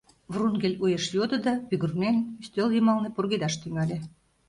— Врунгель уэш йодо да, пӱгырнен, ӱстел йымалне пургедаш тӱҥале.